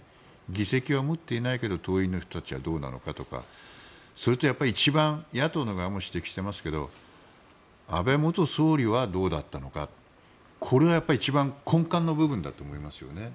議席は持っていないけど党員の人たちはどうなのかとかそれとやっぱり一番、野党側も指摘していますが安倍元総理はどうだったのかこれは一番根幹の部分だと思いますよね。